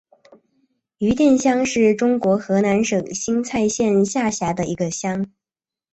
余店乡是中国河南省新蔡县下辖的一个乡。